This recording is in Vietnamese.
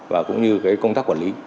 và cũng như công tác quản lý